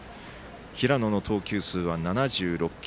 平野の投球数は７６球。